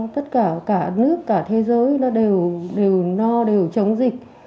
tất cả cả nước cả thế giới nó đều no đều chống dịch